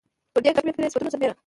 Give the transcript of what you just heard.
پر دې ګډو فطري صفتونو سربېره